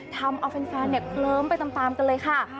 ทำเอาแฟนเนี่ยเคลิ้มไปตามกันเลยค่ะ